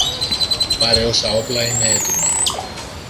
πάρε όσα όπλα είναι έτοιμα